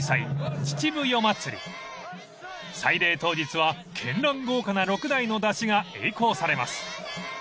［祭礼当日は絢爛豪華な６台の山車がえい行されます］